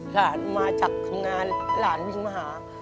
หลานมาจากทำงานหลานวิ่งมาหา